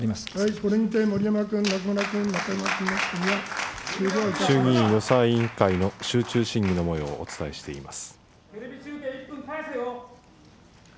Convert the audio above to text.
これにて盛山君、中村君、衆議院予算委員会の集中審議のもようをお伝えしております。